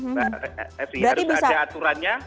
mbak evi harus ada aturannya